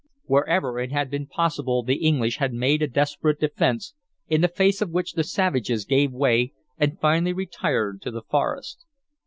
Wherever it had been possible the English had made a desperate defense, in the face of which the savages gave way and finally retired to the forest.